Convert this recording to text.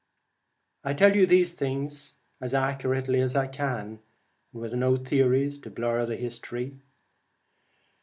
I tell these things as accurately as I can, and with no theories to blur the history.